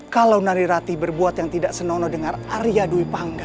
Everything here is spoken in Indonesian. kalau nari rati berbuat yang tidak senono dengar arya dwi pangga